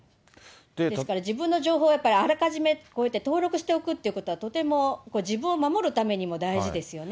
ですから、自分の情報はあらかじめこうやって登録しておくってことは、とても自分を守るためにも大事ですよね。